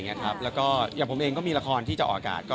อย่างผมเองมีราคอนที่จะออกอากาศ